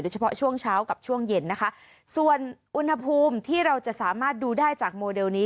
เฉพาะช่วงเช้ากับช่วงเย็นนะคะส่วนอุณหภูมิที่เราจะสามารถดูได้จากโมเดลนี้